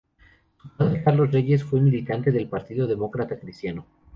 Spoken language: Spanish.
Su padre, Carlos Reyes, fue militante del Partido Demócrata Cristiano.